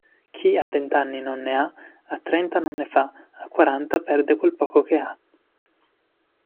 Chi a vent'anni non ne ha, a trenta non ne fa, a quaranta perde quel poco che ha.